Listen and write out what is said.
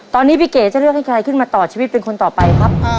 ตอนนี้พี่เก๋จะเลือกให้ใครขึ้นมาต่อชีวิตเป็นคนต่อไปครับ